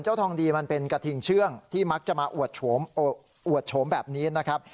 ทองดีมันเป็นกระทิงเชื่องที่มักจะมาอวดโฉมแบบนี้นะครับ